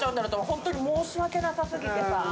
「ホントに申し訳なさ過ぎてさ。